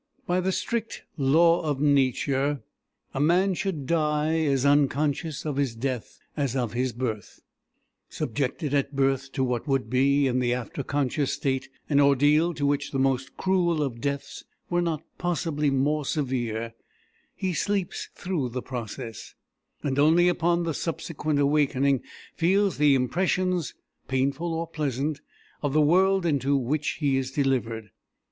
] By the strict law of Nature a man should die as unconscious of his death as of his birth. Subjected at birth to what would be, in the after conscious state, an ordeal to which the most cruel of deaths were not possibly more severe, he sleeps through the process, and only upon the subsequent awakening feels the impressions, painful or pleasant, of the world into which he is delivered.